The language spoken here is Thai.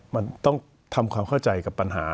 มันต้องทำความเข้าใจกับปัญหา